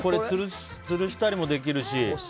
つるしたりもできるし。